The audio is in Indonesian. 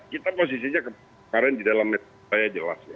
kita posisinya kemarin di dalam media jelas ya